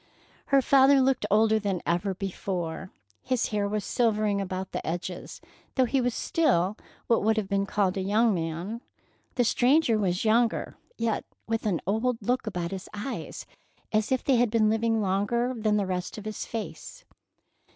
Her father looked older than ever before. His hair was silvering about the edges, though he was still what would have been called a young man. The stranger was younger, yet with an old look about his eyes, as if they had been living longer than the rest of his face.